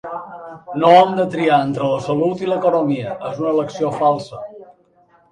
No hem de triar entre la salut i l’economia, és una elecció falsa.